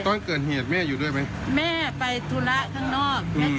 ตอนเกิดเหตุแม่อยู่ด้วยไหมแม่ไปธุระข้างนอก